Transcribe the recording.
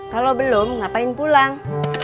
kalau belum ngapain pulang